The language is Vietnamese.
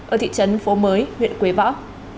ở thị trấn phố mới huyện quế võ